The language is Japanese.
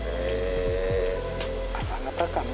「朝方かな」。